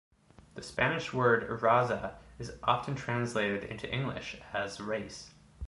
The Spanish word "raza" is often translated into English as race.